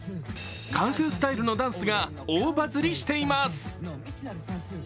カンフースタイルのダンスが大バズりしています。